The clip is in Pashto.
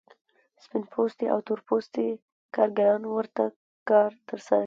سپین پوستي او تور پوستي کارګران ورته کار ترسره کوي